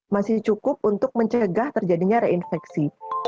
masih cukup untuk mencegah terjadinya reinfeksi